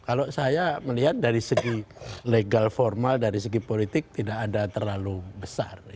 kalau saya melihat dari segi legal formal dari segi politik tidak ada terlalu besar